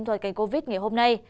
thoại cảnh covid ngày hôm nay